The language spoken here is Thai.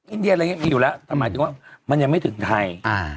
อินเดียเรามีอยู่แล้วแต่หมายถึงว่ามันยังไม่ถึงไทยอ่า